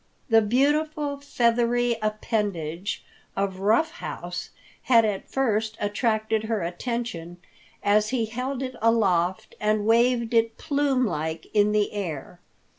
The beautiful, feathery appendage of Rough House had at first attracted her attention as he held it aloft and waved it plume like in the air.